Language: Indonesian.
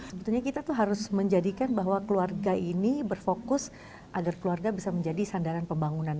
sebetulnya kita tuh harus menjadikan bahwa keluarga ini berfokus agar keluarga bisa menjadi sandaran pembangunan